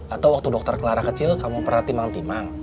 atau waktu dokter kelara kecil kamu pernah timang timang